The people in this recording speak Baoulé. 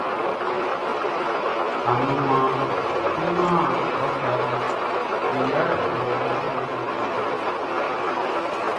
Anumanʼn kleman wakaʼm be yalɛ kɛ nga min nannanʼn fa kanʼn sa.